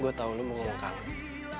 gue tau lo mau ngomong ke aku